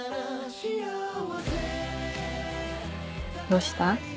どうした？